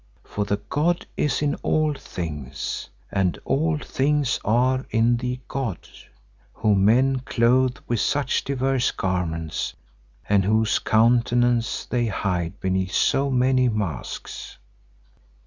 For the god is in all things and all things are in the god, whom men clothe with such diverse garments and whose countenance they hide beneath so many masks.